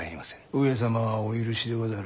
上様はお許しでござる。